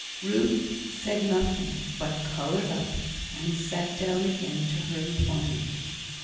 Ruth said nothing, but coloured up, and sat down again to her employment.